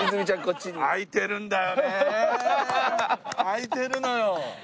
空いてるのよ。